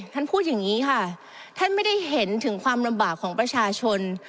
ท่านพูดอย่างนี้ค่ะท่านไม่ได้เห็นถึงความลำบากของประชาชน